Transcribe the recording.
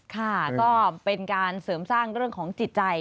ค่ะก็เป็นการเสริมสร้างเรื่องของจิตใจ